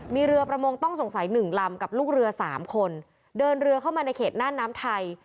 มีเรือประมงต้องสงสัยหนึ่งลำกับลูกเรือ๓คนเดินเรือเข้ามาในเขตน่านน้ำไทย